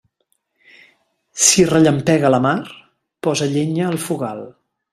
Si rellampega a la mar, posa llenya al fogal.